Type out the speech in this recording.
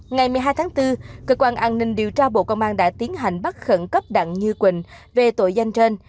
ngày một mươi hai tháng bốn cơ quan an ninh điều tra bộ công an đã tiến hành bắt khẩn cấp đặng như quỳnh về tội danh trên